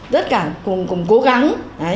rất cả cùng cố gắng